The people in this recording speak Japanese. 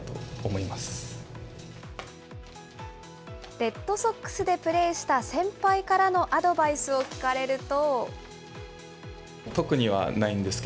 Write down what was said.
レッドソックスでプレーした先輩からのアドバイスを聞かれると。